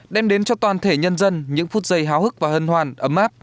đem đến cho toàn thể nhân dân những phút giây háo hức và hân hoàn ấm áp